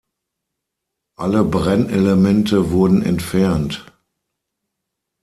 Alle Brennelemente wurden entfernt.